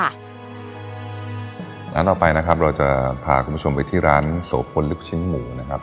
ร้านต่อไปนะครับเราจะพาคุณผู้ชมไปที่ร้านโสพลลูกชิ้นหมูนะครับ